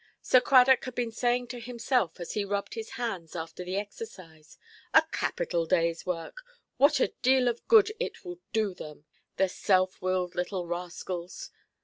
Sir Cradock had been saying to himself, as he rubbed his hands after the exercise—"A capital dayʼs work: what a deal of good it will do them; the self–willed little rascals"!